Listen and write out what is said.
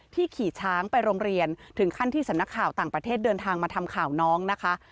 ขี่ช้างไปโรงเรียนถึงขั้นที่สำนักข่าวต่างประเทศเดินทางมาทำข่าวน้องนะคะ